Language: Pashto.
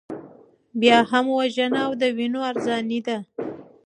بیا هم وژنه او د وینو ارزاني ده.